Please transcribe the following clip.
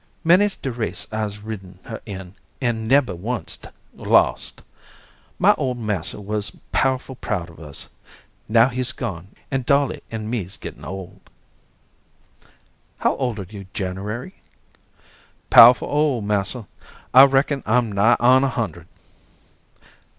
Many's de race I'se ridden her in, an' nebber onct lost. My ole massa wuz powerful proud of us. Now he's gone, an' Dolly an' me's gettin' old." "How old are you, January?" "Powerful ole, massa. I reckon I'm nigh on a hundred."